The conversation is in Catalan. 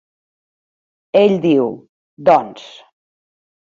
Ell diu, doncs!